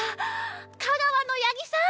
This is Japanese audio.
香川の八木さん